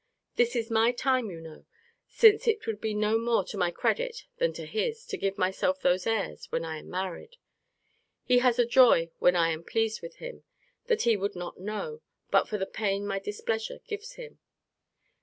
This is my time, you know, since it would be no more to my credit than to his, to give myself those airs when I am married. He has a joy when I am pleased with him that he would not know, but for the pain my displeasure gives him.